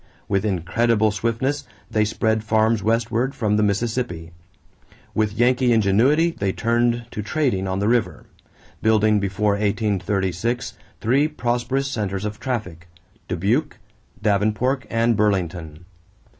With incredible swiftness, they spread farms westward from the Mississippi. With Yankee ingenuity they turned to trading on the river, building before 1836 three prosperous centers of traffic: Dubuque, Davenport, and Burlington.